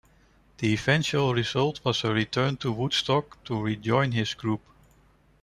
The eventual result was a return to Woodstock to rejoin his group.